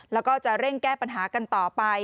แล้วก็จะเร่งแก้ปัญหากันต่อไป